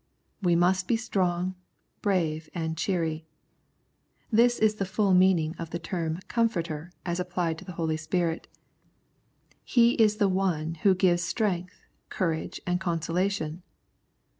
We must be strong, brave, and cheery. This is the full meaning of the term " Comforter " as applied to the Holy Spirit. He is the One Who gives strength, courage, and consolation.